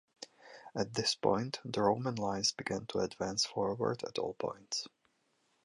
At this point, the Roman lines began to advance forward at all points.